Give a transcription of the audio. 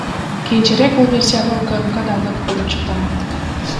Кийинчерээк бул версияны УКМК дагы колдоп чыккан.